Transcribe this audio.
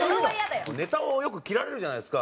ネタをよく切られるじゃないですか。